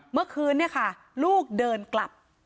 เมื่อคืนเนี่ยค่ะลูกเดินกลับ